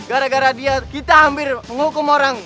karena dia kita hampir menghukum orang